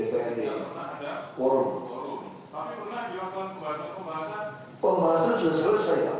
pembangunan sudah selesai